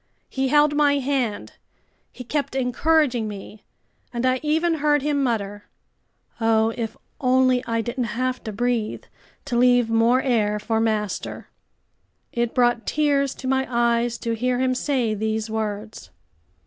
He held my hand, he kept encouraging me, and I even heard him mutter: "Oh, if only I didn't have to breathe, to leave more air for master!" It brought tears to my eyes to hear him say these words.